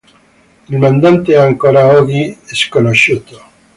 Il mandante è ancora oggi sconosciuto.